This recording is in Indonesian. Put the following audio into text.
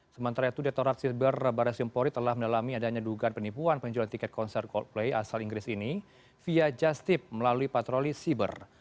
sementara itu dektorat siber barasimpori telah menalami adanya duga penipuan penjualan tiket konser coldplay asal inggris ini via justip melalui patroli siber